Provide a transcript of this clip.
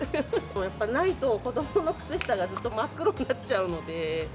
やっぱないと、子どもの靴下がずっと真っ黒になっちゃうので。